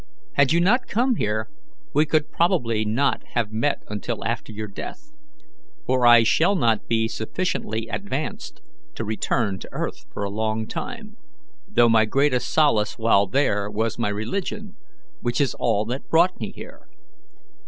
Had you not come here, we could probably not have met until after your death; for I shall not be sufficiently advanced to return to earth for a long time, though my greatest solace while there was my religion, which is all that brought me here.